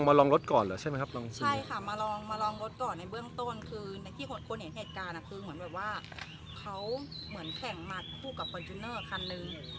มาลองรถก่อนในเบื้องต้นคือในที่คนเห็นเหตุการณ์คือเหมือนแข่งมัดผู้กับคอนชุนเนอร์คันหนึ่ง